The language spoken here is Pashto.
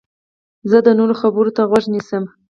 زه د نورو خبرو ته غوږ نیسم.